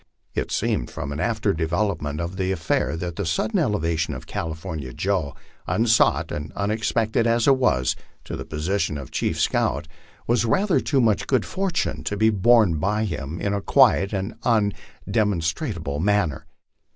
It seemed, from an after development of the affair, that the sudden elevation of California Joe, unsought and unexpected as it was, to the position of chief scout, was rather too much good fortune to be borne by him in a quiet or undemonstrative manner.